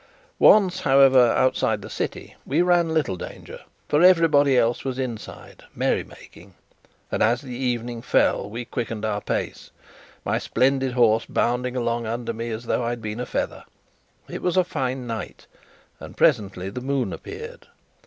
Once, however, outside the city, we ran little danger, for everybody else was inside, merry making; and as the evening fell we quickened our pace, my splendid horse bounding along under me as though I had been a feather. It was a fine night, and presently the moon appeared.